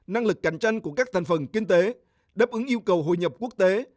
năng lực cạnh tranh của các thành phần kinh tế đáp ứng yêu cầu hội nhập quốc tế